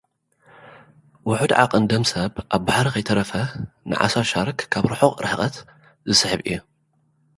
ውሑድ ዓቐን ደም ሰብ፡ ኣብ ባሕሪ ከይተረፈ ንዓሳ ሻርክ ካብ ርሑቕ ርሕቀት ዝስሕብ እዩ።